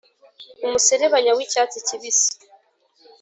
umuserebanya wicyatsi kibisi